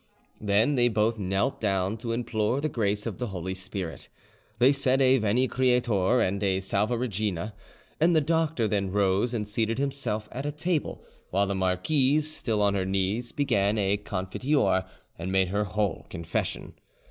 Then they both knelt down to implore the grace of the Holy Spirit. They said a 'Veni Creator' and a 'Salve Regina', and the doctor then rose and seated himself at a table, while the marquise, still on her knees, began a Confiteor and made her whole confession.